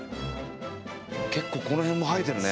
結構この辺も生えてるね。